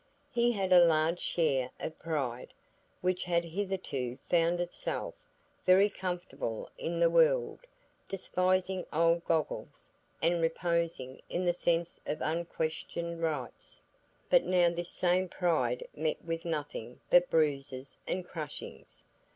He had a large share of pride, which had hitherto found itself very comfortable in the world, despising Old Goggles, and reposing in the sense of unquestioned rights; but now this same pride met with nothing but bruises and crushings.